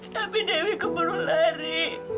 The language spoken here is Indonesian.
tapi dewi keburu lari